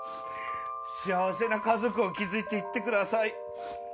幸せな家族を築いて行ってください。